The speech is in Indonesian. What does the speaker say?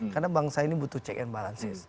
karena bangsa ini butuh check and balances